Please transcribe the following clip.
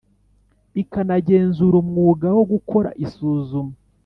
ikanagenzura umwuga wo gukora isuzuma